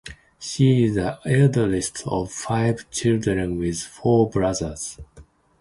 She is the eldest of five children with four brothers.